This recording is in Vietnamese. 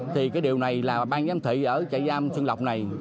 thì cái điều này là bàn giam thị ở trại giam sơn lộc này